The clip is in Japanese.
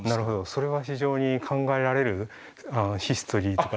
それは非常に考えられるヒストリー。